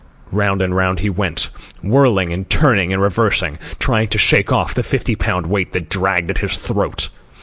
Round and round he went, whirling and turning and reversing, trying to shake off the fifty pound weight that dragged at his throat.